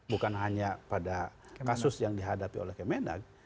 bukan hanya pada kasus yang dihadapi oleh kemenak